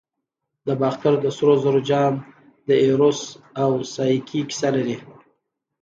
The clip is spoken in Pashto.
د باختر د سرو زرو جام د ایروس او سایکي کیسه لري